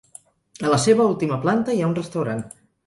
A la seva última planta hi ha un restaurant.